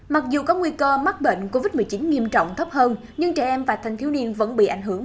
mặc dù có nguy cơ mắc bệnh covid một mươi chín nghiêm trọng thấp hơn nhưng trẻ em và thanh thiếu niên vẫn bị ảnh hưởng